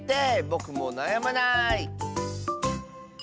ぼくもうなやまない！